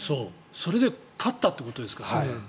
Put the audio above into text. それで勝ったっていうことですからね。